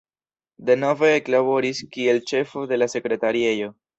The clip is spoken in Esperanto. Denove eklaboris kiel ĉefo de la sekretariejo.